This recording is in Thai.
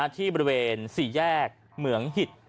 ที่บริเวณ๔แยกเหมืองหิต